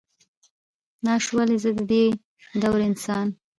ناش ولئ، زه ددې دور انسان.